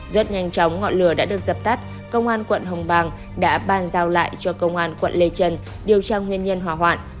rất nhanh chóng ngọn lửa đã được dập tắt công an quận hồng bàng đã bàn giao lại cho công an quận lê trần điều tra nguyên nhân hỏa hoạn